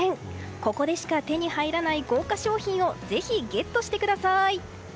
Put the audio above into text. ここでしか手に入らない豪華賞品をぜひゲットしてください！